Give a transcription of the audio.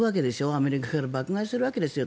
アメリカから爆買いするわけですよ